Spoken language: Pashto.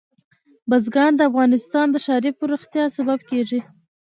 بزګان د افغانستان د ښاري پراختیا سبب کېږي.